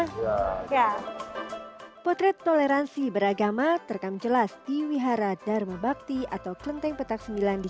hai potret toleransi beragama terkam jelas di wihara dharma bakti atau klenteng petak sembilan di